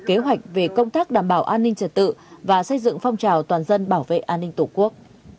kế hoạch về công tác đảm bảo an ninh trật tự và xây dựng phong trào toàn dân bảo vệ an ninh tổ quốc